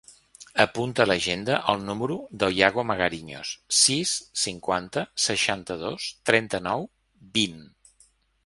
Apunta a l'agenda el número del Yago Magariños: sis, cinquanta, seixanta-dos, trenta-nou, vint.